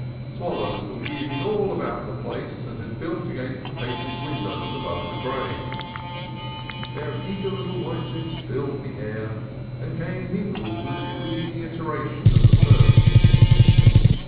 Swallows were weaving all about the place, and had built against the painted windows above the grave. Their eager little voices filled the air, and came mingled with the dreamy iteration of the surf.